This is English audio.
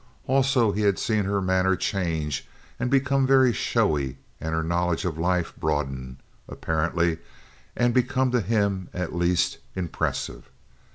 Also he had seen her manner change and become very showy and her knowledge of life broaden, apparently, and become to him, at least, impressive.